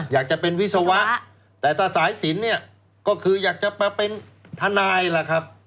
อยากจะเป็นวิศวะแต่ถ้าสายสินเนี่ยก็คืออยากจะมาเป็นทนายล่ะครับ